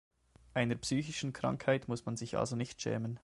Einer psychischen Krankheit muss man sich also nicht schämen.